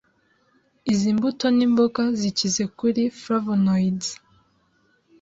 Izi mbuto n’imboga zikize kuri flavonoids,